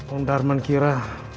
om darman kira